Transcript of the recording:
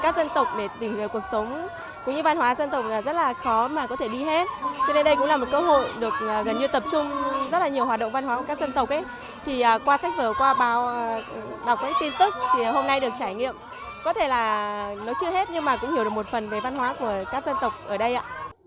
có thể là nó chưa hết nhưng mà cũng hiểu được một phần về văn hóa của các dân tộc ở đây ạ